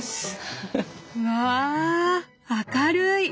うわ明るい！